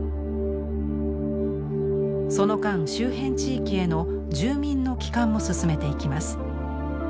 その間周辺地域への住民の帰還も進めていきます。